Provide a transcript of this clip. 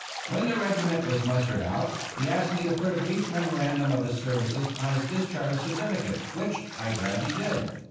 When the regiment was mustered out, he asked me to put a brief memorandum of his services on his discharge certificate, which I gladly did.